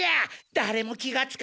だれも気がつかん。